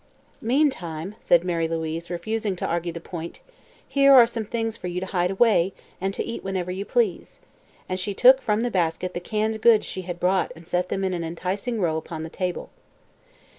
"Meantime," said Mary Louise, refusing to argue the point, "here are some little things for you to hide away, and to eat whenever you please," and she took from the basket the canned goods she had bought and set them in an enticing row upon the table.